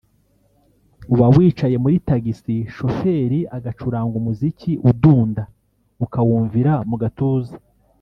uba wicaye muri tagisi shoferi agacuranga umuziki udunda ukawumvira mu gatuza